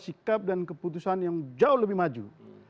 sikap dan keputusan yang jauh lebih maju